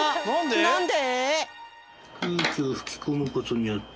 なんで！？